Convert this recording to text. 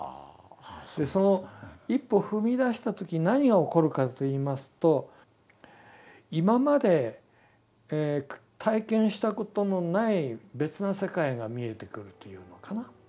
その一歩踏み出した時何が起こるかといいますと今まで体験したことのない別な世界が見えてくるというのかな。